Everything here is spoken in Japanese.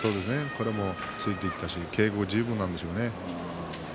これもついていったし稽古十分なんですね。